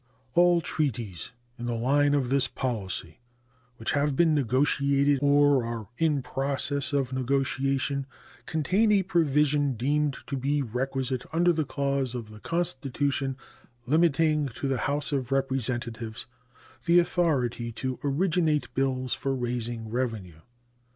All treaties in the line of this policy which have been negotiated or are in process of negotiation contain a provision deemed to be requisite under the clause of the Constitution limiting to the House of Representatives the authority to originate bills for raising revenue.